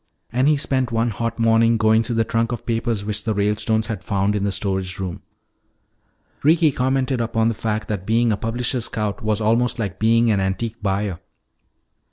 And he spent one hot morning going through the trunk of papers which the Ralestones had found in the storage room. Ricky commented upon the fact that being a publisher's scout was almost like being an antique buyer.